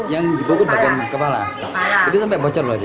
yang dibukul bagian kepala itu sampai bocor loh dia